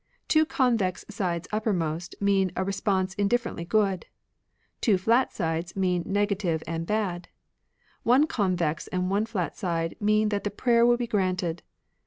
Two convex sides uppermost mean a response indifferently good ; two flat sides mean negative and bad ; one convex and one flat side mean that the prayer will be granted.